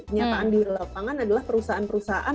kenyataan di lapangan adalah perusahaan perusahaan